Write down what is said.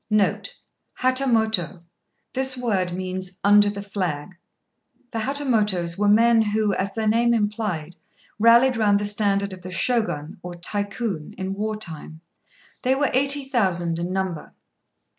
NOTE. Hatamoto. This word means "under the flag." The Hatamotos were men who, as their name implied, rallied round the standard of the Shogun, or Tycoon, in war time. They were eighty thousand in number.